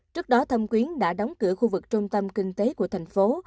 trước đó thâm quyến đã đóng cửa khu vực trung tâm kinh tế của thành phố